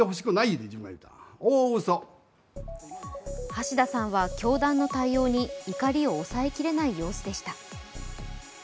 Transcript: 橋田さんは教団の対応に怒りを抑えきれない様子でした。